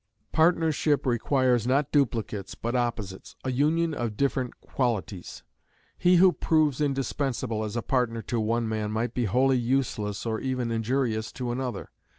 Partnership requires not duplicates, but opposites a union of different qualities. He who proves indispensable as a partner to one man might be wholly useless, or even injurious, to another.